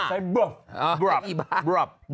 สายบวบบวบบวบ